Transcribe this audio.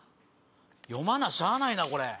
読まなしゃあないなこれ。